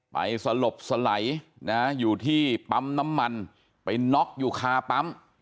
สลบสไหลนะอยู่ที่ปั๊มน้ำมันไปน็อกอยู่คาปั๊ม